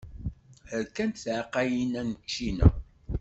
Rkant tεeqqayin-a n ččina.